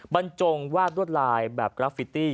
บรรจงวาดรวดลายแบบกราฟิตี้